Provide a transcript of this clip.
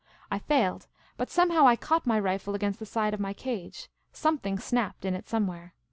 I failed ; but somehow I caught my rifle agaiust the side of my cage. Something snapped in it somewhere.